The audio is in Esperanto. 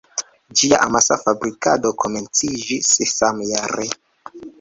Ĝia amasa fabrikado komenciĝis samjare.